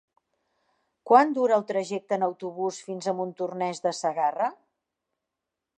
Quant dura el trajecte en autobús fins a Montornès de Segarra?